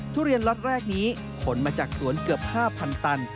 ทุเรียนล็อตแรกนี้ขนมาจากสวนเกือบ๕๐๐ตัน